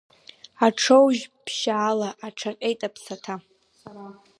Аҽоужь ԥшьаала аҽаҟьеит аԥсаҭа.